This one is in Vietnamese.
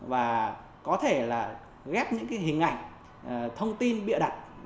và có thể là ghép những cái hình ảnh thông tin bịa đặt